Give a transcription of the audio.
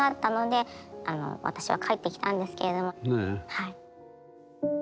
はい。